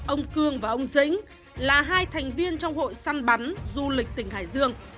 ông cương và ông dính là hai thành viên trong hội săn bắn du lịch tỉnh hải dương